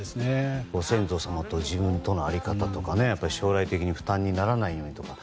ご先祖様と自分との在り方とか将来的に負担にならないようにとか。